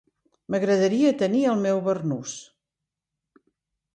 M'agradaria tenir el meu barnús.